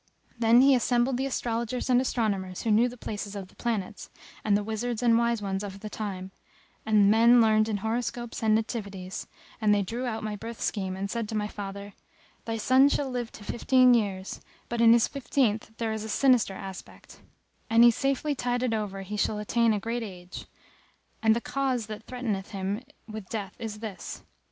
Then he assembled the astrologers and astronomers who knew the places of the planets, and the wizards and wise ones of the time, and men learned in horoscopes and nativities,[FN#268] and they drew out my birth scheme and said to my father, "Thy son shall live to fifteen years, but in his fifteenth there is a sinister aspect; an he safely tide it over he shall attain a great age. And the cause that threateneth him with death is this.